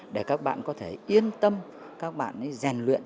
để các bạn có thể yên tâm các bạn rèn luyện